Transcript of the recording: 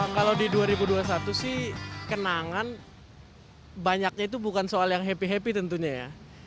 kalau di dua ribu dua puluh satu sih kenangan banyaknya itu bukan soal yang happy happy tentunya ya